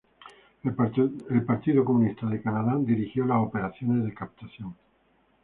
El Partido Comunista de Canadá dirigió las operaciones de captación.